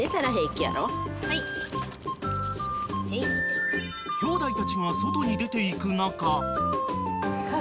［きょうだいたちが外に出ていく中］